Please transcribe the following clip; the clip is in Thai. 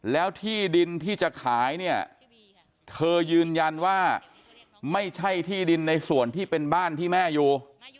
แล้วที่ดินที่จะขายเนี่ยเธอยืนยันว่าไม่ใช่ที่ดินในส่วนที่เป็นบ้านที่แม่อยู่